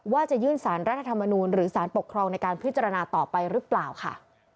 ว่าจะยื่นสารรัฐธรรมนูลหรือสารปกครองในการพิจารณาต่อไปหรือเปล่าค่ะ